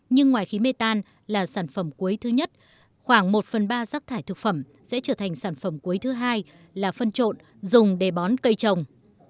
nhưng ngoài khí mê tan là sản phẩm cuối thứ nhất khoảng một phần ba rác thải thực phẩm sẽ trở thành sản phẩm cuối thứ hai là phân trộn dùng để bón cây trồng